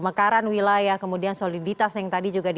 pemekaran wilayah kemudian soliditas yang tadi saya katakan